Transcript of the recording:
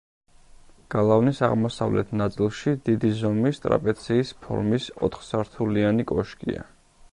გალავნის აღმოსავლეთ ნაწილში დიდი ზომის ტრაპეციის ფორმის ოთხსართულიანი კოშკია.